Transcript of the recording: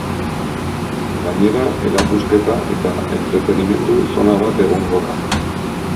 Gainera, erakusketa eta entretenimendu zona bat egongo da.